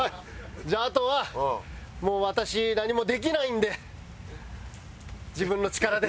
じゃああとはもう私何もできないんで自分の力で。